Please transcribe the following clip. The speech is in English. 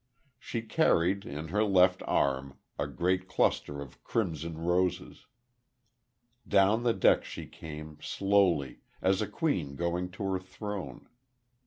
She carried, in her left arm, a great cluster of crimson roses. Down the deck she came, slowly, as a queen going to her throne.